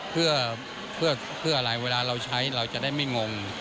เพื่ออะไรเวลาเราใช้เราจะได้ไม่งง